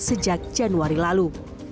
sejak januari lalu